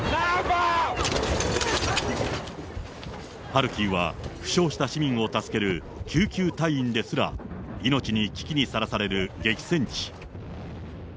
ハルキウは負傷した市民を助ける救急隊員ですら、命の危機にさらされる激戦地。